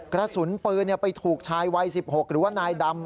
กระสุนปืนไปถูกชายวัย๑๖หรือว่านายดำ